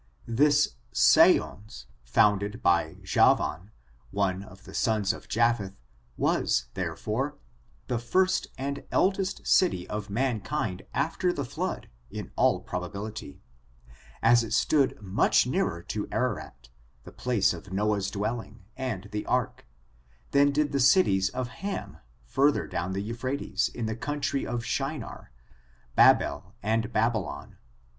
This Seyofis, founded by Javan^ one of the sons of Japheth, was, therefore, the first and eldest city of mankind after the flood in all probability, as it stood much nearer to Ararat, the place of Noah's dwelling and the Ark, than did the cities of Hami further down the Euphrates, in the country of Shinar, Babel and Babylon.